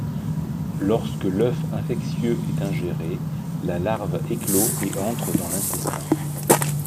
Lorsque l'œuf infectieux est ingéré, la larve éclot et entre dans l'intestin.